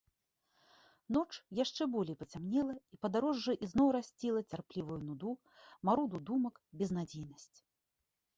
Ноч яшчэ болей пацямнела, і падарожжа ізноў расціла цярплівую нуду, маруду думак, безнадзейнасць.